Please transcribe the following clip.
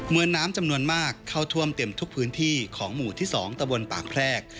น้ำจำนวนมากเข้าท่วมเต็มทุกพื้นที่ของหมู่ที่๒ตะบนปากแพรก